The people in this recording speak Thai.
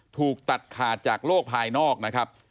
ถูกตัดขาดจากโลกภายนอกนะครับ